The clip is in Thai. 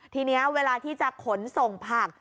ทีนี้เวลาที่จะขนส่งผัก